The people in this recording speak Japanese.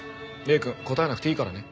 礼くん答えなくていいからね。